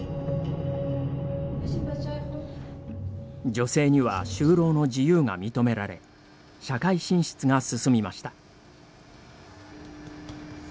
女性には就労の自由が認められ社会進出が進みました。